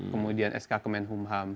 kemudian sk kemenhumham